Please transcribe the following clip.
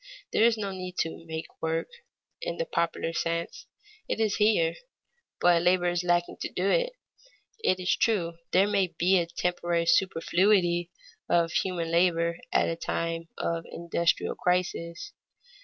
There is no need to "make work," in the popular sense; it is here, but labor is lacking to do it. It is true there may be a temporary superfluity of human labor at a time of an industrial crisis.